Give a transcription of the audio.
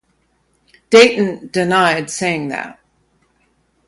Dayton denied saying that.